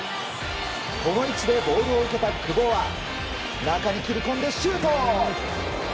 この位置でボールを受けた久保は中に切り込んでシュート！